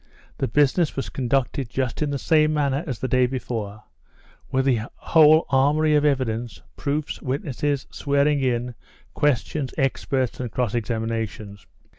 The business was conducted just in the same manner as the day before, with the whole armoury of evidence, proofs, witnesses, swearing in, questions, experts, and cross examinations.